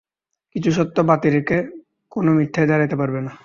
কিছু সত্য ব্যতিরেকে কোন মিথ্যাই দাঁড়াইতে পারে না।